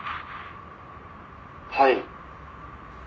「はい」